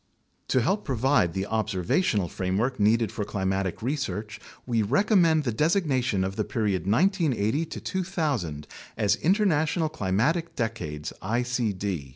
To help provide the observational framework needed for climatic research, we recommend the designation of the period 1980 2000 as International Climatic Decades (icd).